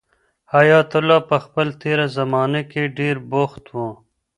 حیات الله په خپل تېره زمانه کې ډېر بوخت و.